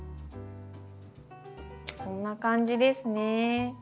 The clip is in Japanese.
こんな感じですね。